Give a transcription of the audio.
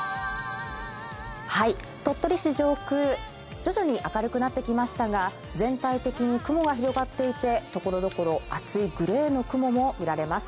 鳥取市上空、徐々に明るくなってきましたが全体的に雲が広がっていて、ところどころ厚いグレーの雲もあります。